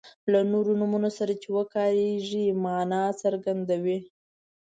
له نورو نومونو سره چې وکاریږي معنا څرګندوي.